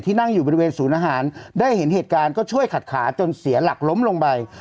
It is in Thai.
นั่งอยู่บริเวณศูนย์อาหารได้เห็นเหตุการณ์ก็ช่วยขัดขาจนเสียหลักล้มลงไป